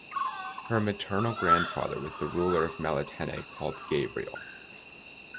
Her maternal grandfather was the ruler of Melitene called Gabriel.